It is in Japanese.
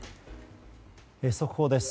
速報です。